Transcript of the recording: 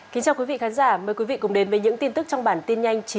kính chào quý vị khán giả mời quý vị cùng đến với những tin tức trong bản tin nhanh chín h